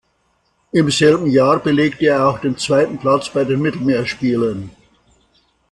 Im selben Jahr belegte er auch den zweiten Platz bei den Mittelmeerspielen.